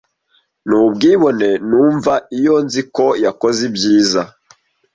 Nubwibone numva iyo nzi ko yakoze ibyiza.